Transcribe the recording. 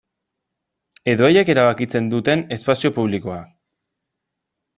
Edo haiek erabakitzen duten espazio publikoan.